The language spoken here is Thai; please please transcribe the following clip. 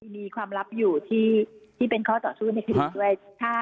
มีความลับอยู่ที่เป็นข้อต่อสู้ในคดีด้วย